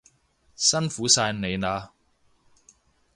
辛苦晒你喇